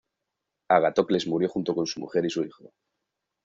Agatocles murió junto con su mujer y su hijo.